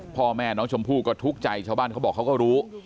พ่อแม่น้องชมพู่ก็ทุกข์ใจชาวบ้านเขาบอกเขาก็รู้